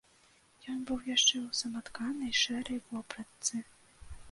Ён быў яшчэ ў саматканай шэрай вопратцы.